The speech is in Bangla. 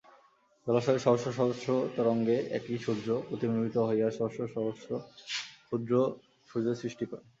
জলাশয়ের সহস্র সহস্র তরঙ্গে একই সূর্য প্রতিবিম্বিত হইয়া সহস্র সহস্র ক্ষুদ্র সূর্যের সৃষ্টি করে।